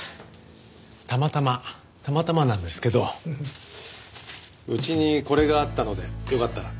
たまたまたまたまなんですけどうちにこれがあったのでよかったら。